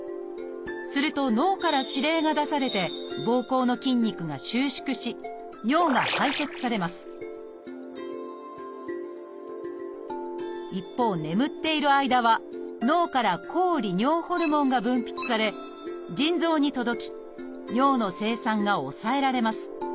すると脳から指令が出されてぼうこうの筋肉が収縮し尿が排泄されます一方眠っている間は脳から抗利尿ホルモンが分泌され腎臓に届き尿の生産が抑えられます。